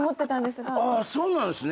そうなんすね。